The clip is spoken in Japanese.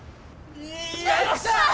よっしゃ！